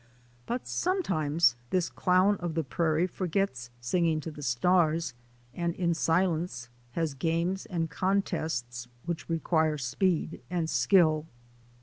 But sometimes this clown of the prairie forgets singing to the stars, and in silence has games and contests which require speed and skill.